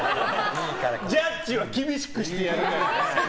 ジャッジは厳しくしてやるからな！